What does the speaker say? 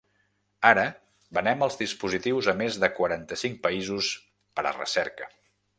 Ara venem els dispositius a més de quaranta-cinc països per a recerca.